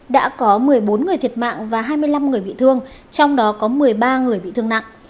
đã có một mươi bốn người thiệt mạng và hai mươi năm người bị thương trong đó có một mươi ba người bị thương nặng